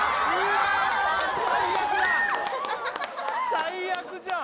最悪じゃん。